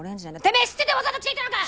てめぇ知っててわざと着てきたのか！